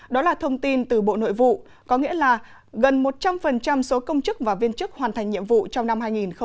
đó là thông tin từ bộ nội vụ có nghĩa là gần một trăm linh số công chức và viên chức hoàn thành nhiệm vụ trong năm hai nghìn hai mươi